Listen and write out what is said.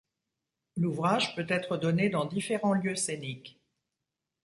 L'ouvrage peut être donné dans différents lieux scéniques.